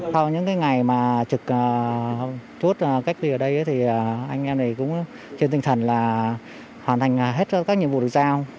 sau những ngày mà trực chốt cách ly ở đây thì anh em này cũng trên tinh thần là hoàn thành hết các nhiệm vụ được giao